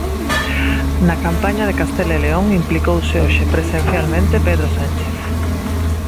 Na campaña de Castela e León implicouse hoxe presencialmente Pedro Sánchez.